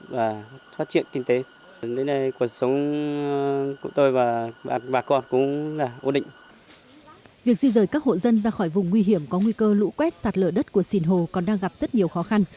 việc di rời các hộ dân ra khỏi vùng nguy hiểm có nguy cơ lũ quét sạt lở đất của sinh hồ còn đang gặp rất nhiều khó khăn